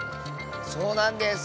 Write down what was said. そうなんです！